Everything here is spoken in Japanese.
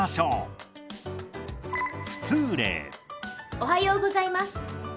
おはようございます。